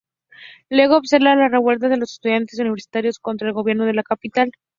Luego, observa las revueltas de los estudiantes universitarios contra el gobierno en la capital.